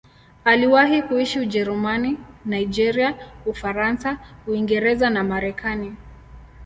Aliwahi kuishi Ujerumani, Nigeria, Ufaransa, Uingereza na Marekani.